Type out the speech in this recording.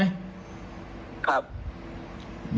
ครับ